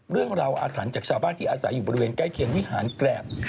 อาถรรพ์จากชาวบ้านที่อาศัยอยู่บริเวณใกล้เคียงวิหารแกรบ